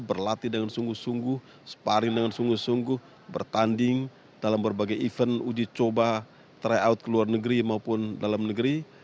berlatih dengan sungguh sungguh sparin dengan sungguh sungguh bertanding dalam berbagai event uji coba try out ke luar negeri maupun dalam negeri